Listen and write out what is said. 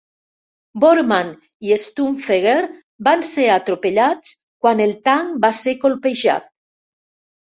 Bormann i Stumpfegger van ser "atropellats" quan el tanc va ser colpejat.